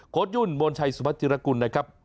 โค้ดยุ่นโมนชัยสุภาธิรกุลนะครับ